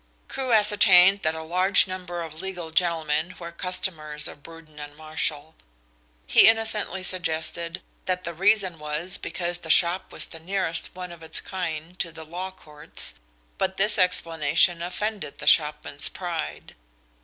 Crewe ascertained that a large number of legal gentlemen were customers of Bruden and Marshall. He innocently suggested that the reason was because the shop was the nearest one of its kind to the Law Courts, but this explanation offended the shopman's pride.